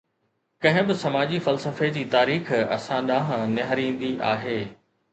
ڪنهن به سماجي فلسفي جي تاريخ اسان ڏانهن نهاريندي آهي.